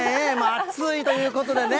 暑いということでね。